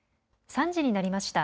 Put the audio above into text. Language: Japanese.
３時になりました。